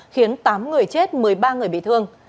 khiến tám người chết một mươi ba người bị thương